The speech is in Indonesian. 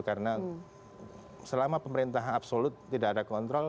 karena selama pemerintahan absolut tidak ada kontrol